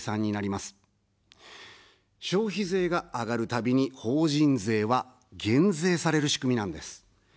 消費税が上がるたびに法人税は減税される仕組みなんです。